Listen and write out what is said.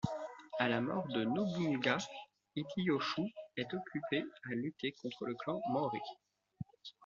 À la mort de Nobunaga, Hideyoshi est occupé à lutter contre le clan Mōri.